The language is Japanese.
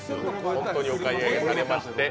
本当にお買い上げされまして。